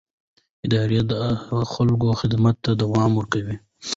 اداره د خلکو خدمت ته دوام ورکوي.